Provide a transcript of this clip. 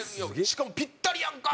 「しかもぴったりやんか！」